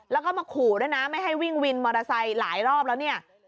แล้วก็มาขู่ด้วยนะไม่ให้วิ่งวินมอเตอร์ไซค์หลายรอบแล้วเนี่ย